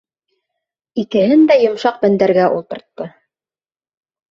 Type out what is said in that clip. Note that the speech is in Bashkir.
Икеһен дә йомшаҡ мендәргә ултыртты.